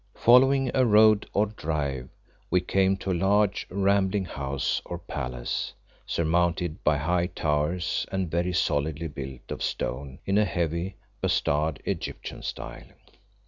Following a road or drive, we came to a large, rambling house or palace, surmounted by high towers and very solidly built of stone in a heavy, bastard Egyptian style.